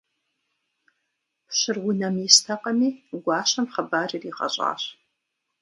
Пщыр унэм истэкъыми, гуащэм хъыбар иригъэщӏащ.